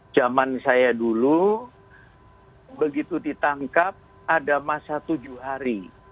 zaman saya dulu begitu ditangkap ada masa tujuh hari